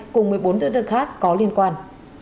cùng một mươi bốn tựa thân khác có liên quan